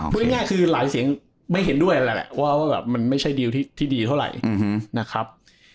พูดง่ายคือหลายเสียงไม่เห็นด้วยแหละว่ามันไม่ใช่ดีลที่ดีเท่าไหร่นะครับ